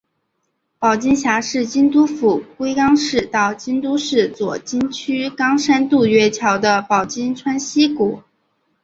保津峡是京都府龟冈市到京都市右京区岚山渡月桥的保津川溪谷。